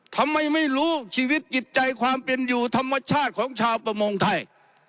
ทำไมไม่รู้ชีวิตจิตใจความเป็นอยู่ธรรมชาติของชาวประมงไทย